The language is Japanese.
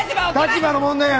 立場の問題やない！